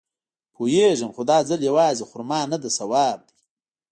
پوېېږم خو دا ځل يوازې خرما نده ثواب دی.